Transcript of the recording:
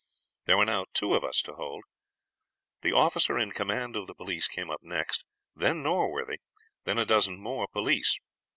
There were now two of us to hold. The officer in command of the police came up next, then Norworthy, then a dozen more police.